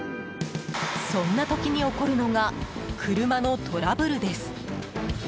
そんな時に起こるのが車のトラブルです。